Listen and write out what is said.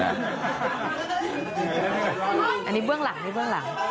อันนี้เบื้องหลัง